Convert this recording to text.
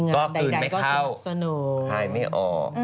ก็คืนไปเข้าปล่ายไม่ออก